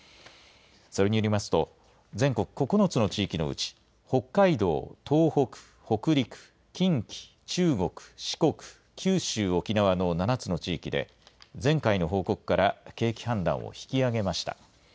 それによりますと、全国９つの地域のうち、北海道、東北、北陸、近畿、中国、四国、九州・沖縄の７つの地域で、前回の報告から景気判断を引き上げました。